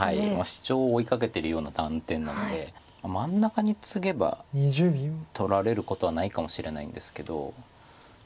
シチョウを追いかけてるような断点なので真ん中にツゲば取られることはないかもしれないんですけど。